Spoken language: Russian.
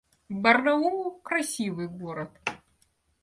Барнаул — красивый город